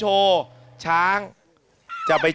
เฮ่น้องช้างแต่ละเชือกเนี่ย